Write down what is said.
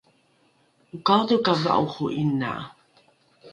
okaodho ka va’oro ’ina